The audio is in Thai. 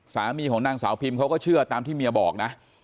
สามีของนางสาวพิมเขาก็เชื่อตามที่เมียบอกนะ